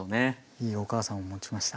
いいお義母さんを持ちました。